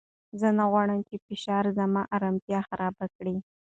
زه نه غواړم چې فشار زما ارامتیا خراب کړي.